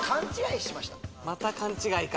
また勘違いか。